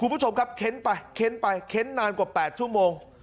คุณผู้ชมครับเค้นไปเค้นไปเค้นนานกว่า๘ชั่วโมง